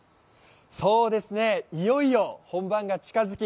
いよいよ本番が近づき